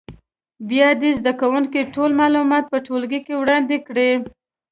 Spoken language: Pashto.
بیا دې زده کوونکي ټول معلومات په ټولګي کې وړاندې کړي.